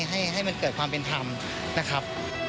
ให้มันเกิดความเป็นธรรมนะครับ